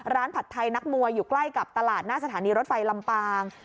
ผัดไทยนักมวยอยู่ใกล้กับตลาดหน้าสถานีรถไฟลำปาง